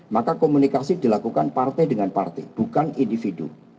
maka komunikasi dilakukan partai dengan partai bukan individu